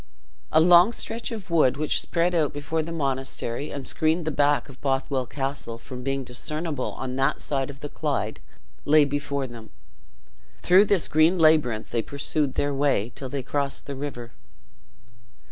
A long stretch of wood, which spread before the monastery, and screened the back of Bothwell Castle from being discernible on that side of the Clyde, lay before them. Through this green labyrinth they pursued their way, till they crossed the river.